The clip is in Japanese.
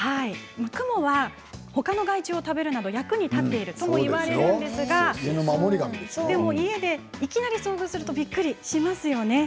ほかの害虫を食べるなど役に立っているとも言われるんですがでも家でいきなり遭遇するとびっくりしますよね。